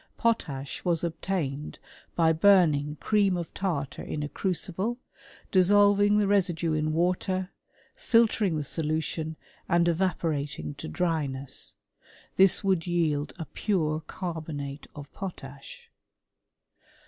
Potash was obtained by burning cream of tar* t^ in a crucible, dissolving the residue in water, filter ^ the solution, and evaporating to dryness, f This ^^d yield a pure carbonate of potash.